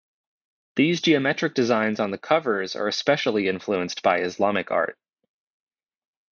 The geometric designs on the covers are especially influenced by Islamic art.